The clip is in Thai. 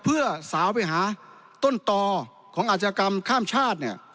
เพื่อสาวไปหาต้นต่อของอาชญากรรมข้ามชาติเนี่ย